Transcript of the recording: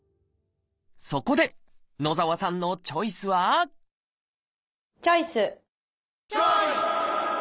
そこで野澤さんのチョイスはチョイス！